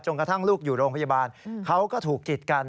กระทั่งลูกอยู่โรงพยาบาลเขาก็ถูกกิดกัน